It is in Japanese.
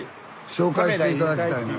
紹介して頂きたいな。